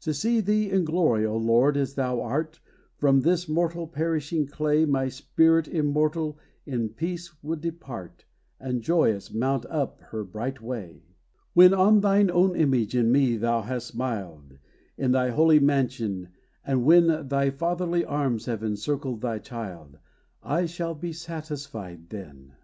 To see thee in glory, O Lord, as thou art, From this mortal, perishing clay My spirit immortal, in peace would depart, And, joyous, mount up her bright way. When on thine own image in me thou hast smiled, In thy holy mansion, and when Thy fatherly arms have encircled thy child, O I shall be satisfied then!